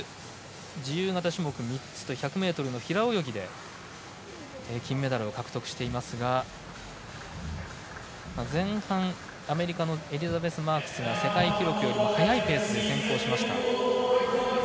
自由形種目３つと１００ｍの平泳ぎで金メダルを獲得していますが前半、アメリカのエリザベス・マークスの世界記録よりも速いペースで先行しました。